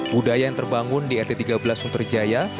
budaya yang terbangun di rt tiga belas sunterjaya